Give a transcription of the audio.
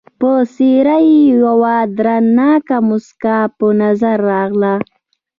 پر څېره یې یوه دردناکه مسکا په نظر راغله.